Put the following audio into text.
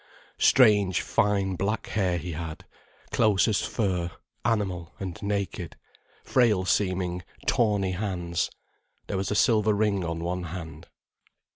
Strange fine black hair, he had, close as fur, animal, and naked, frail seeming, tawny hands. There was a silver ring on one hand.